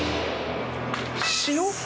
塩。